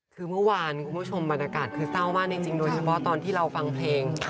คือเมื่อวานคุณผู้ชมบรรยากาศคือเศร้ามากจริงโดยเฉพาะตอนที่เราฟังเพลง